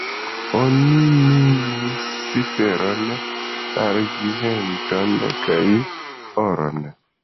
Oni minis feron, arĝenton kaj oron.